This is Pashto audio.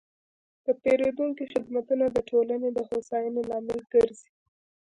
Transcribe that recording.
د پیرودونکو خدمتونه د ټولنې د هوساینې لامل ګرځي.